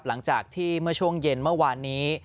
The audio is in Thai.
หลังจากที่เมื่อช่วงเย็นเมื่อวานนี้